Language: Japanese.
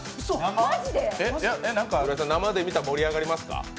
浦井さん、生で見たら盛り上がりますか？